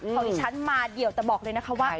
ของดิฉันมาเดี่ยวแต่บอกเลยนะคะว่า